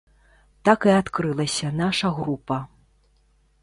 Так і адкрылася наша група.